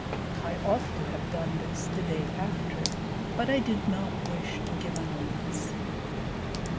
I ought to have done this the day after, but I did not wish to give annoyance."